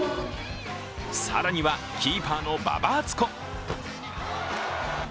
更にはキーパーの馬場敦子。